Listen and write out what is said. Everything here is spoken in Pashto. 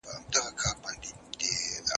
پخوا هلکانو د نجونو عمرونه نه پوښتل.